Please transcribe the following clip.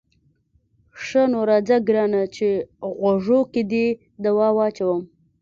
ښه نو راځه ګرانه چې غوږو کې دې دوا واچوم.